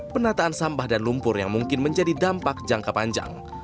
penataan sampah dan lumpur yang mungkin menjadi dampak jangka panjang